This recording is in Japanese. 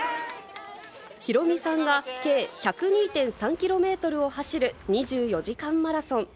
ヒロミさんが計１０２．３キロメートルを走る２４時間マラソン。